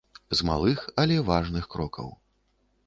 З малых, але важных крокаў.